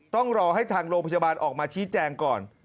ต้องรอให้ทางโรงพยาบาลออกมาชี้แจงก่อน